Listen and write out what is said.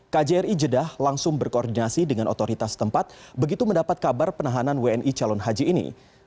kjri jeddah langsung berkoordinasi dengan otoritas tempat begitu mendapat kabar penahanan wni calon haji ini